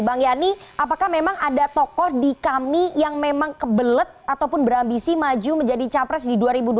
bang yani apakah memang ada tokoh di kami yang memang kebelet ataupun berambisi maju menjadi capres di dua ribu dua puluh